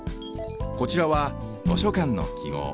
こちらは図書館のきごう。